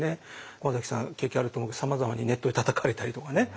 駒崎さん経験あると思うけどさまざまにネットでたたかれたりとかね。